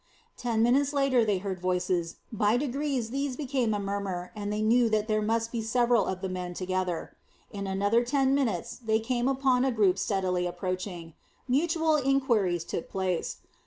Ten minutes later they heard voices, by degrees these became a murmur, and they knew that there must be several of the men together. In another ten minutes they came upon a group steadily approaching. Mutual inquiries took place.